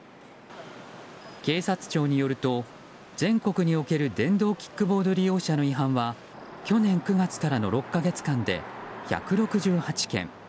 警察庁によると全国における電動キックボード利用者の違反は去年９月からの６か月間で１６８件。